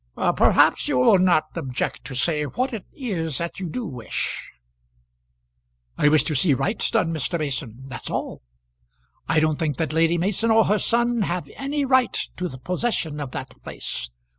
"Perhaps you will not object to say what it is that you do wish?" "I wish to see right done, Mr. Mason; that's all. I don't think that Lady Mason or her son have any right to the possession of that place.